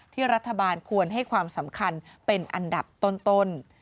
รัฐบาลควรให้ความสำคัญเป็นอันดับต้น